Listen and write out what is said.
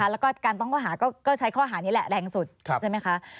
และการต้องก็หาก็ใช้ข้อหาก็แรงที่สุด